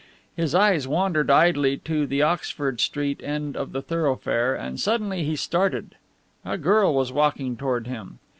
His eyes wandered idly to the Oxford Street end of the thoroughfare, and suddenly he started. A girl was walking toward him.